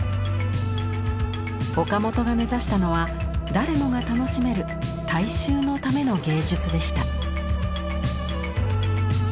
岡本が目指したのは誰もが楽しめる「大衆のための芸術」でした。